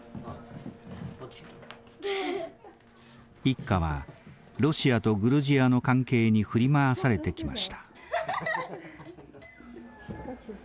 一家はロシアとグルジアの関係に振り回されてきました。